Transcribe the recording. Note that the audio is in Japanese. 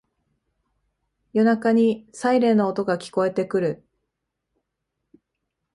夜中にサイレンの音が聞こえてくる